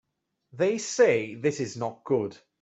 They say this is not good.